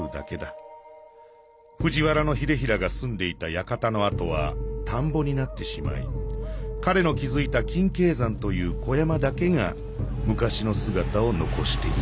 藤原秀衡がすんでいたやかたの跡はたんぼになってしまいかれのきずいた金鶏山という小山だけがむかしのすがたを残している」。